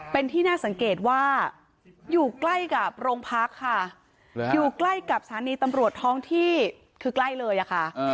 เป็นที่น่าสังเกตว่าอยู่ใกล้กับโรงพักค่ะอยู่ใกล้กับสถานีตำรวจท้องที่คือใกล้เลยอะค่ะ